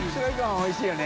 おいしいよね。